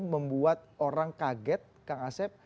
membuat orang kaget kang asep